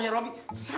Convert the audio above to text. terima kasih ma